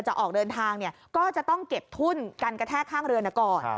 จะออกเดินทางก็จะต้องเก็บทุ่นกันกระแทกข้างเรือก่อน